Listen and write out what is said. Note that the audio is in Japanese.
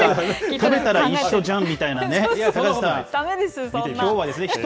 食べたら一緒じゃんみたいなね。